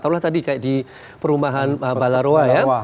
tahu lah tadi kayak di perumahan ballarowa ya